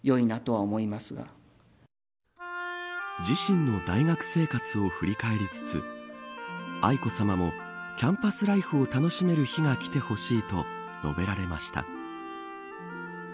自身の大学生活を振り返りつつ愛子さまもキャンパスライフを楽しめる日がきてほしいと述べられました。